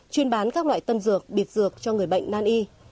chuyên bán các loại tân dược bịt dược cho người bệnh nan y